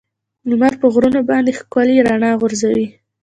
لمر په غرونو باندې ښکلي رڼا غورځوي.